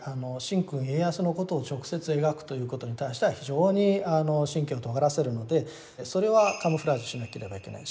神君家康のことを直接描くということに対しては非常に神経をとがらせるのでそれはカムフラージュしなければいけない。